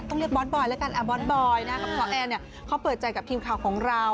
ต้องเรียกบอสบอยแล้วกันบอสบอยนะกับพ่อแอร์เนี่ยเขาเปิดใจกับทีมข่าวของเรา